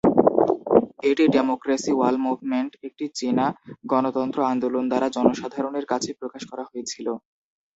এটি democracy wall movement, একটি চীনা গণতন্ত্র আন্দোলন দ্বারা জনসাধারণের কাছে প্রকাশ করা হয়েছিল।